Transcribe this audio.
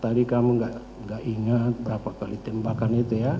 tadi kamu nggak ingat berapa kali tembakan itu ya